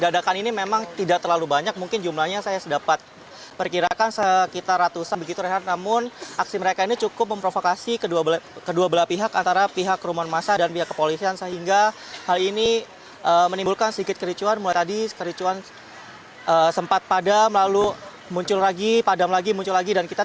dalam kelompok kecil